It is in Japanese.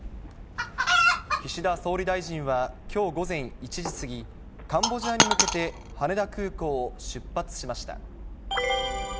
岸田総理大臣は、きょう午前１時過ぎ、カンボジアに向けて、羽田空港を出発しました。